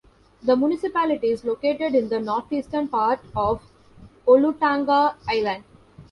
The municipality is located in the northeastern part of Olutanga Island.